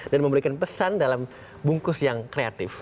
dan memberikan pesan dalam bungkus yang kreatif